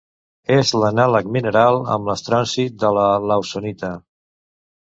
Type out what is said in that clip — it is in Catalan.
És l'anàleg mineral amb estronci de la lawsonita.